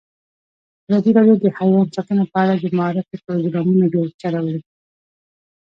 ازادي راډیو د حیوان ساتنه په اړه د معارفې پروګرامونه چلولي.